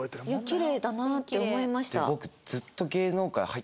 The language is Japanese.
きれいだなって思いました。